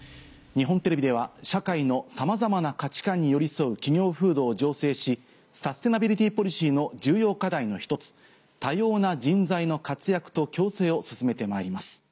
日本テレビでは社会のさまざまな価値観に寄り添う企業風土を醸成しサステナビリティポリシーの重要課題の１つ「多様な人材の活躍と共生」を進めてまいります。